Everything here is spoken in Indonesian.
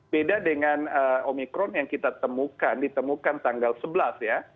beda dengan omikron yang kita temukan ditemukan tanggal sebelas ya